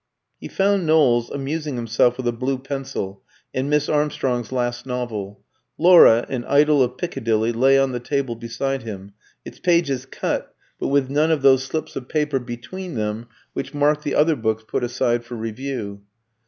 He found Knowles amusing himself with a blue pencil and Miss Armstrong's last novel. "Laura: An Idyll of Piccadilly" lay on the table beside him, its pages cut, but with none of those slips of paper between them which marked the other books put aside for review.